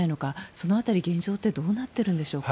その辺り、現状ってどうなっているんでしょうか。